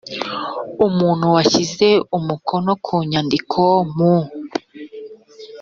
umuntu washyize umukono ku nyandiko mu